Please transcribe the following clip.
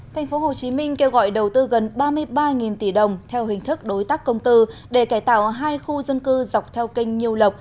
tp hcm kêu gọi đầu tư gần ba mươi ba tỷ đồng theo hình thức đối tác công tư để cải tạo hai khu dân cư dọc theo kênh nhiêu lộc